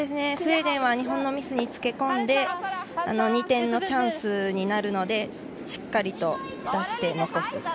スウェーデンは日本のミスにつけこんで２点のチャンスになるので、しっかりと出して残す。